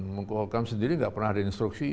hukum sendiri enggak pernah ada instruksi